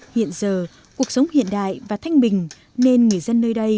hiện giờ cuộc sống hiện đại và thanh bình nên người dân nơi đây